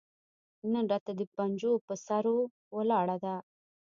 نن راته د پنجو پهٔ سرو ولاړه ده